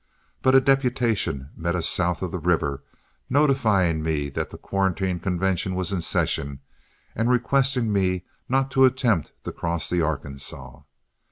But a deputation met us south of the river, notifying me that the quarantine convention was in session, and requesting me not to attempt to cross the Arkansas.